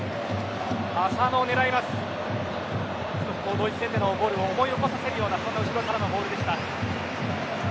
ドイツ戦でのゴールを思い起こさせるようなそんな後ろからのボールでした。